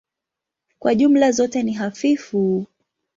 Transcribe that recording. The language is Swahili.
Kwa jumla zote ni hafifu.